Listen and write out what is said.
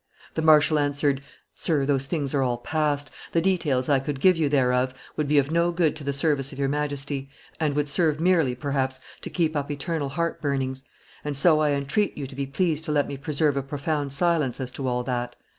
The marshal answered, 'Sir, those things are all past; the details I could give you thereof would be of no good to the service of your Majesty, and would serve merely, perhaps, to keep up eternal heart burnings; and so I entreat you to be pleased to let me preserve a profound silence as to all that.